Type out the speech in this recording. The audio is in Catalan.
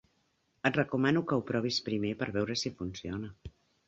Et recomano que ho provis primer per veure si funciona.